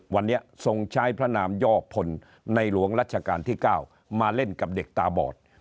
วันนี้ทรงใช้พระนามย่อพลในหลวงรัชกาลที่๙มาเล่นกับเด็กตาบอด